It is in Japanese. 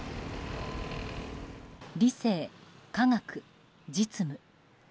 理性、科学、実務。